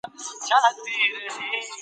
زده کړه مې د بازار په ګرمو او سړو کې وکړه.